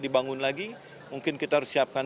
dibangun lagi mungkin kita harus siapkan